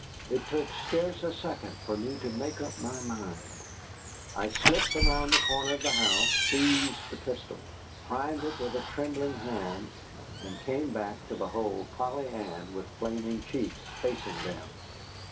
It took scarce a second for me to make up my mind. I slipped around the corner of the house, seized the pistol, primed it with a trembling hand, and came back to behold Polly Ann, with flaming cheeks, facing them.